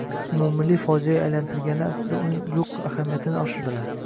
Umummilliy fojiaga aylantirganlar aslida uning yoʻq ahamiyatini oshirdilar